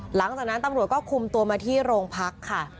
หลังจากนั้นตำรวจก็คุมตัวมาที่โรงพักค่ะ